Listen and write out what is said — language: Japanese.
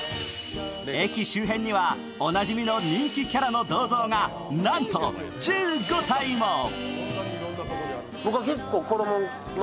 駅周辺にはおなじみの人気キャラの銅像がなんと１５体も。